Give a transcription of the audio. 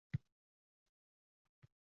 Hatto hayot zavqsiz ham ma'lum ma'noga ega.